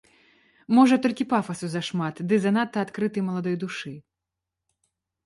Можа, толькі пафасу зашмат ды занадта адкрытай маладой душы.